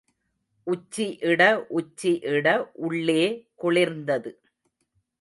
உச்சி இட உச்சி இட உள்ளே குளிர்ந்தது.